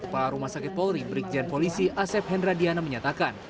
pak rumah sakit polri brigjen polisi asep hendra diana menyatakan